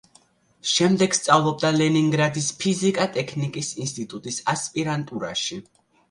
შემდეგ სწავლობდა ლენინგრადის ფიზიკა-ტექნიკის ინსტიტუტის ასპირანტურაში.